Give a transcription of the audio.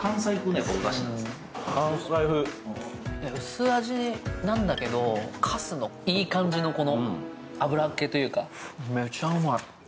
薄味なんだけどかすのいい感じの油っけというかめちゃうまい！